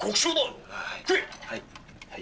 はい。